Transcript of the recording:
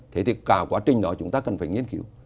thế thì cả quá trình đó chúng ta cần phải nghiên cứu